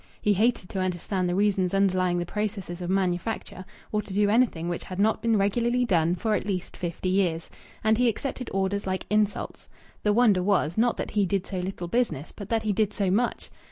He hated to understand the reasons underlying the processes of manufacture, or to do anything which had not been regularly done for at least fifty years. And he accepted orders like insults. The wonder was, not that he did so little business, but that he did so much.